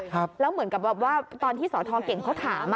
แล้วเหมือนกับแบบว่าตอนที่สทเก่งเขาถาม